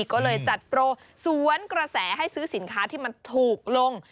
ก็เลยจัดโปรสวนกระแสให้ซื้อสินค้าที่มันถูกลง